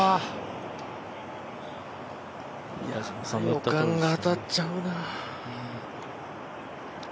予感が当たっちゃうな。